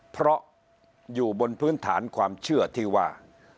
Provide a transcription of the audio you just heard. เพราะอยู่บนพื้นฐานความเชื่อที่ว่า